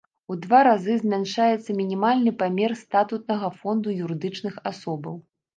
У два разы змяншаецца мінімальны памер статутнага фонда юрыдычных асобаў.